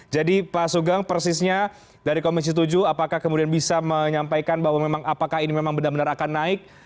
jadi pak sugeng persisnya dari komisi tujuh apakah kemudian bisa menyampaikan bahwa memang apakah ini benar benar akan naik